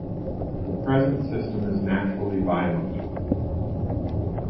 The present system is naturally violent.